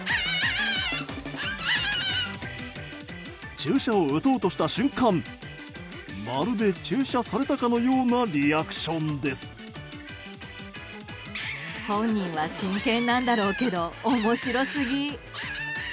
注射を打とうとした瞬間まるで注射されたかのようなリアクションです。